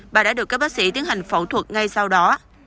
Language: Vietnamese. bà đã được các bác sĩ tiến hành phẫu thuật ngay sau đó